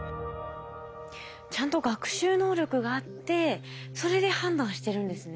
ちゃんと学習能力があってそれで判断してるんですね。